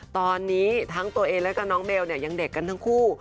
ตอนนี้ทั้งตัวเองแล้วก็น้องเบลเนี่ยยังเด็กกันทั้งคู่